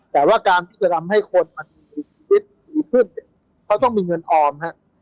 แต่ว่าการพิจารณ์ให้คนมีคุณภาพชีวิตเขาต้องมีเงินออม